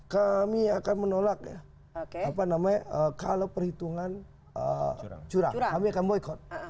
kami akan menolak ya apa namanya kalau perhitungan curang kami akan boykot